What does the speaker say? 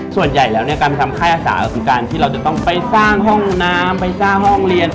ส่วนใหญ่แล้วเนี่ยการไปทำค่ายอาสาก็คือการที่เราจะต้องไปสร้างห้องน้ำไปสร้างห้องเรียน